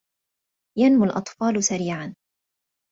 ينمو الأطفال سريعا